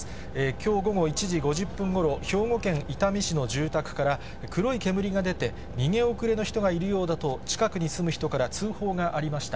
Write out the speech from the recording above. きょう午後１時５０分ごろ、兵庫県伊丹市の住宅から黒い煙が出て、逃げ遅れの人がいるようだと、近くに住む人から通報がありました。